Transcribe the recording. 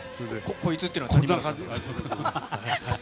こいつっていうのは谷村さん？